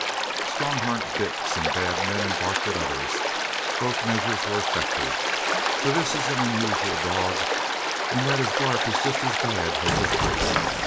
Strongheart bit some bad men and barked at others. Both measures were effective, for this is an unusual dog in that his bark is just as bad as his bite.